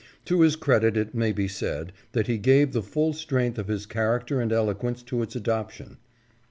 To his credit it may be said, that he gave the full strength of his character and eloquence to its adoption.